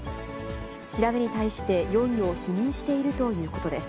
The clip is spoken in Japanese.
調べに対して容疑を否認しているということです。